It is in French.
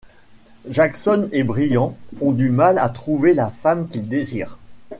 Jackson et Brian ont du mal à trouver la femme qu'ils désirent.